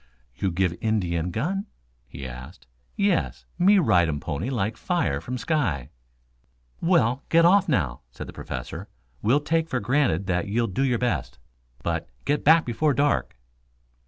"You give Indian gun?" he asked. "Yes. Me ride um pony like fire from sky." "Well, get off now," said the Professor. "We'll take for granted that you'll do your best. But get back before dark."